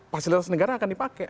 fasilitas negara akan dipakai